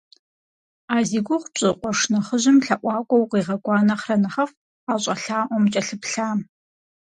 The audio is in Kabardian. А зи гугъу пщӀы къуэш нэхъыжьым лъэӀуакӀуэ укъигъэкӀуа нэхърэ нэхъыфӀт а щӀэлъаӀуэм кӀэлъыплъам.